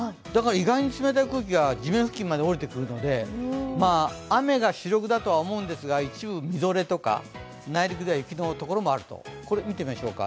だから意外に冷たい空気が地面付近まで下りてくるので雨が主力だと思うんですが一部みぞれとか内陸では雪の所もあると。